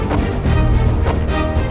sungguh wangi sekali